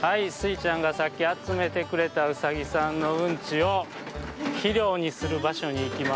はいスイちゃんがさっきあつめてくれたうさぎさんのうんちをひりょうにするばしょにいきます。